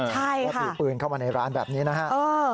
ใช่ค่ะเพราะที่ปืนเข้ามาในร้านแบบนี้นะฮะเออ